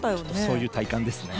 そういう体感ですね。